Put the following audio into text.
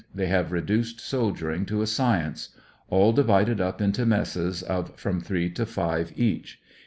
They have reduced soldiering to a science. All divided up into messes of from three to five each.